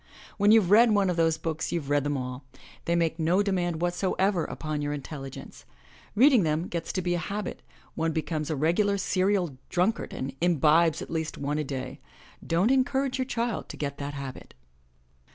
When youVe read one of those books you've read them all. They make no demand whatsoever upon your intelligence. Reading them gets to be a habit — one becomes a regular serial dnmkard and imbibes at least one a day. Dcm't encourage your child to get that habit.